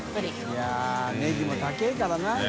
い筺ネギも高いからな今。